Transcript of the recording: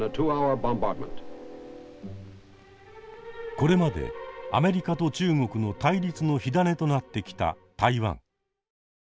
これまでアメリカと中国の対立の火種となってきた台湾。